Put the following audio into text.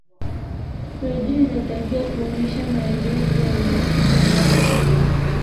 redio inatakiwa kuonesha maeleza ya muziki unaopigwa